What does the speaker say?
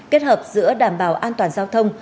kết hợp giữa đảm bảo an toàn giao thông